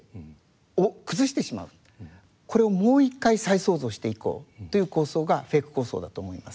これをもう一回再創造していこうという構想がＦＥＣ構想だと思います。